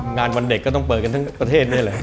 วันเด็กก็ต้องเปิดกันทั้งประเทศนี่แหละ